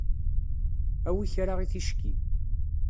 Awi kra i ticki.